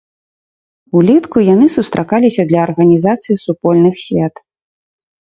Улетку яны сустракаліся для арганізацыі супольных свят.